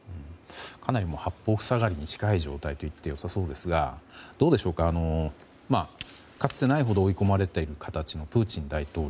かなり八方塞がりに近い状態といってよさそうですがかつてないほど追い込まれている形のプーチン大統領